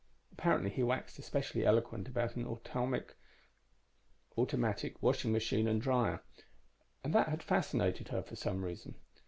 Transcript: Apparently he waxed especially eloquent about an automatic washing machine and dryer, and that had fascinated her, for some reason.